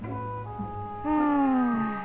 うん。